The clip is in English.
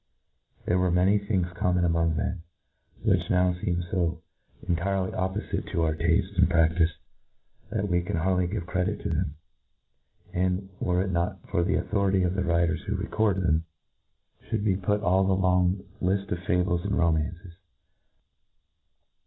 There were many things common among them, which now feem fo en tirely oppofite to our tafte and pradice, that we can hardly give credit to them ; and, were it not for the authority of the writers who record them, fhould , l INTRODUCTION^. 55 ' ihould be put on the bng liit of fables and romaiv ces.